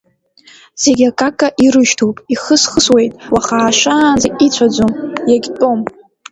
Зегь акака ирышьҭоуп, ихыс-хысуеит, уаха аашаанӡа ицәаӡом, иагьтәом.